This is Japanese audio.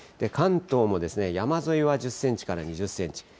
関東もですね、山沿いは１０センチから２０センチ。